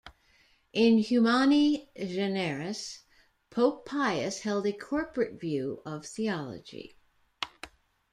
In "Humani generis", Pope Pius held a corporate view of theology.